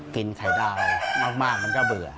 ไข่ดาวมากมันก็เบื่อ